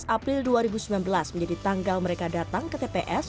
dua belas april dua ribu sembilan belas menjadi tanggal mereka datang ke tps